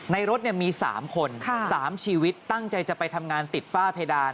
ในรถมี๓คน๓ชีวิตตั้งใจจะไปทำงานติดฝ้าเพดาน